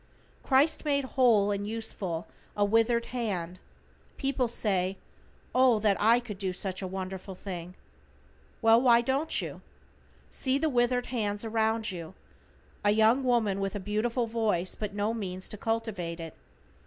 Christ made whole and useful a withered hand. People say, "O, that I could do so wonderful a thing." Well, why don't you. See the withered hands around you. A young woman with a beautiful voice, but no means to cultivate it.